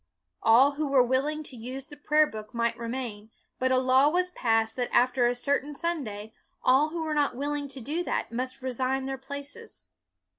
All who were willing to use the prayer book might remain, but a law was passed that after a certain Sun day, all who were not willing to do that must resign their places.